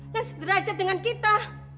yang sederhajat dengan kita